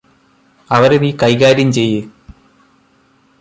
അവരെ നീ കൈകാര്യം ചെയ്യ്